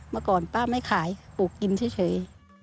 เมื่อก่อนป้าไม่ขายปลูกกินเฉย